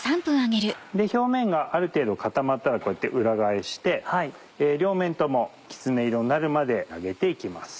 表面がある程度固まったらこうやって裏返して両面ともきつね色になるまで揚げて行きます。